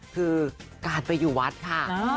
คือการไปอยู่วัดค่ะ